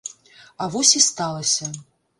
А вось і сталася.